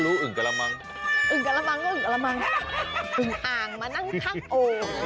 อึ้งอ่างมานั่งพักโอ